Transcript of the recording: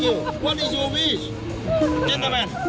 อยากช่วยทุกคน